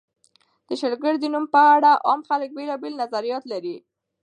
د شلګر د نوم په اړه عام خلک بېلابېل نظریات لري.